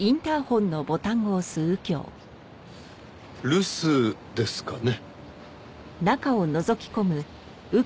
留守ですかね？